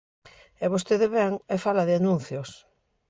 E vostede vén e fala de anuncios.